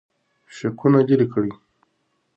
شکونه لرې کړئ.